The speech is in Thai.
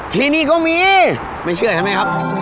ที่นี่ก็มีไม่เชื่อใช่ไหมครับ